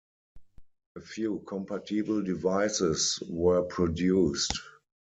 A few compatible devices were produced.